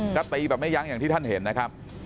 ก็ตีแบบไม่ยั้งอย่างที่ท่านเห็นนะครับ